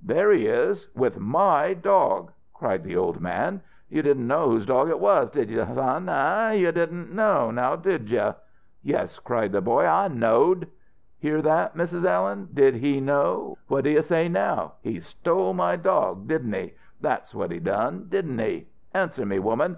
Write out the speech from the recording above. "There he is with my dog!" cried the old man. "You didn't know whose dog it was, did you, son? Eh? You didn't know, now, did you?" "Yes!" cried the boy "I knowed!" "Hear that, Mrs. Allen? Did he know? What do you say now? He stole my dog, didn't he? That's what he done, didn't he? Answer me, woman!